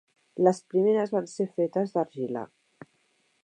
Les primeres van ser fetes d'argila.